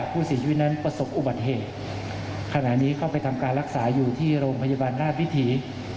ผู้เสียชีวิตนั้นประสบอุบัติเหตุขณะนี้เข้าไปทำการรักษาอยู่ที่โรงพยาบาลราชวิถี